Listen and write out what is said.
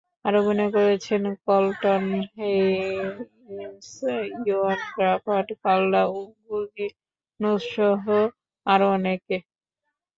আরও অভিনয় করেছেন কলটন হেইন্স, ইওয়ান গ্রাফাড, কার্লা গুজিনোসহ আরও অনেকে।